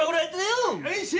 よいしょ！